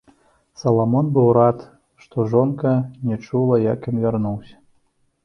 Саламон быў рад, што жонка не чула, як ён вярнуўся.